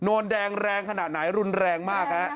นวลแดงแรงขนาดไหนรุนแรงมากฮะ